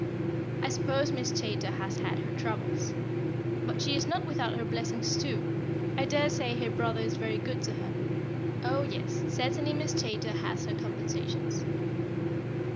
I suppose Miss Chaytor has had her troubles, but she is not without her blessings, too. I daresay her brother is very good to her. Oh, yes, certainly, Miss Chaytor has her compensations."